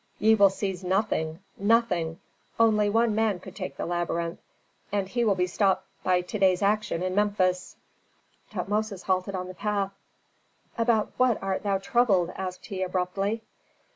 "Ye will seize nothing, nothing! Only one man could take the labyrinth, and he will be stopped by to day's action in Memphis." Tutmosis halted on the path. "About what art thou troubled?" asked he, abruptly.